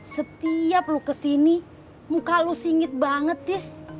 setiap lu kesini muka lu singit banget tis